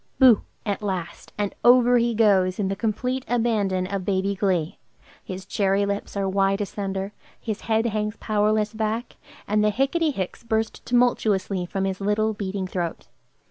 "Boo!" at last, and over he goes, in the complete abandon of baby glee; his cherry lips are wide asunder, his head hangs powerless back, and the "Hicketty hicks" burst tumultuously from his little, beating throat.